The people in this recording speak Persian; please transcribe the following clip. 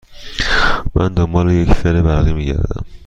من دنبال یک فر برقی می گردم.